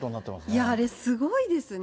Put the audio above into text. いや、あれすごいですね。